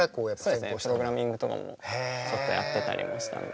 そうですねプログラミングとかもちょっとやってたりもしたので。